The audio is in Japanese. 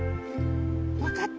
わかった？